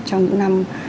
trong những năm